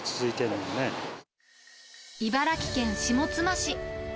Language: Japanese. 茨城県下妻市。